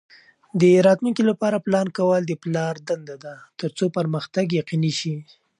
د راتلونکي لپاره پلان کول د پلار دنده ده ترڅو پرمختګ یقیني شي.